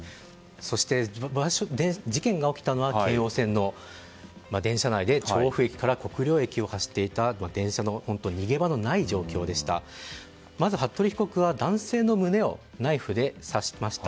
そして、事件が起きたのは京王線の電車内で調布駅から国領駅を走っていた電車という逃げ場のない状況で服部恭太被告はまずナイフで刺しました。